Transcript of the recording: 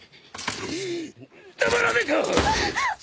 黙らねえか！